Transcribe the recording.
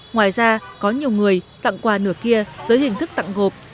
ngoài ra có nhiều người tặng quà nửa kia dưới hình thức tặng gộp